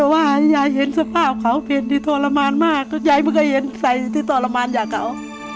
มากยายมันก็เห็นใส่ที่ตรมานอย่างเขา